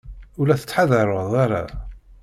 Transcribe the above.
Ur la tettḥadareḍ ara.